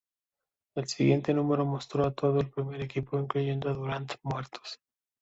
El siguiente número mostró a todo el primer equipo, incluyendo a Durant, muertos.